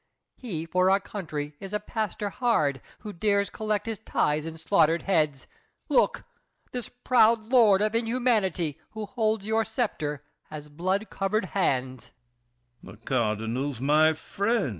He for our country is a pastor hard, Who dares collect his tithes in slaughtered heads! Look! this proud lord of inhumanity Who holds your scepter has blood covered hands! THE KING. The Cardinal's my friend!